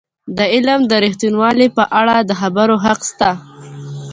د علم د ریښتینوالی په اړه د خبرو حق سته.